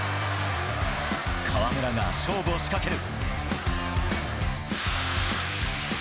河村が勝負を仕掛ける。